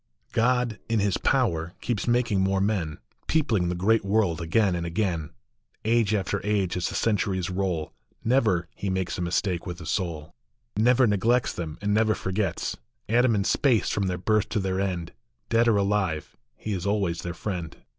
OD, in his power, keeps making more men, Peopling the great world again and again ; Age after age, as the centuries roll, Never he makes a mistake with a soul, Never neglects them, and never forgets. Atoms in space from their birth to their end, Dead or alive, he is always their friend.